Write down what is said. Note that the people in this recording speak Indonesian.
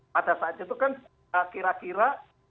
pada saat itu kan kira kira